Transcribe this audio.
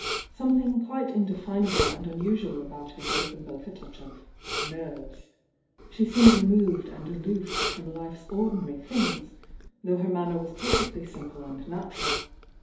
Somethmg ouite mdefinable and unusual about her gave them both a touch ^ "nerves'" She seemed removed and alool trom Ufe's ordinary tnings, though her manner was per fectly simple and natural.